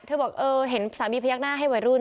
เธอบอกเออเห็นสามีพยักหน้าให้วัยรุ่น